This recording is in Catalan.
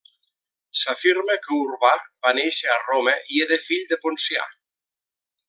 S'afirma que Urbà va néixer a Roma i era fill de Poncià.